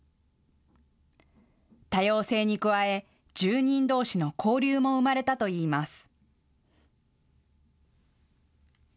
多様性に加え住人どうしの交流も生まれたといいます。